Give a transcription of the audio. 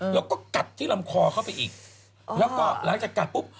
แล้วก็กัดที่ลำคอเข้าไปอีกแล้วก็หลังจากกัดปุ๊บ